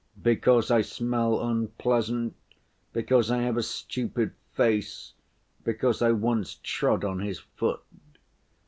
Because I smell unpleasant, because I have a stupid face, because I once trod on his foot.